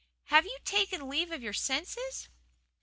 Have you taken leave of your senses?"